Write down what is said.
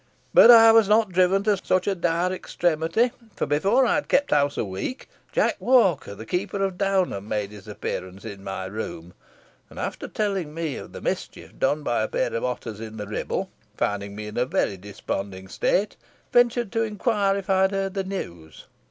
But I was not driven to such a dire extremity, for before I had kept house a week, Jack Walker, the keeper of Downham, made his appearance in my room, and after telling me of the mischief done by a pair of otters in the Ribble, finding me in a very desponding state, ventured to inquire if I had heard the news.